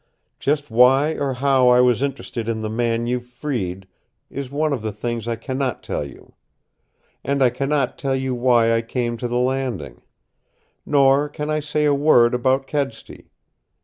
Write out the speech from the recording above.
Just why or how I was interested in the man you freed is one of the things I can not tell you. And I can not tell you why I came to the Landing. Nor can I say a word about Kedsty.